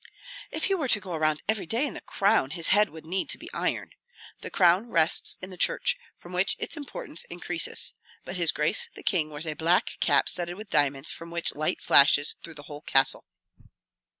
"If he were to go around every day in the crown, his head would need to be iron. The crown rests in the church, from which its importance increases; but his Grace the King wears a black cap studded with diamonds from which light flashes through the whole castle."